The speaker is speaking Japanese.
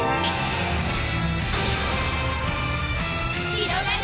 ひろがる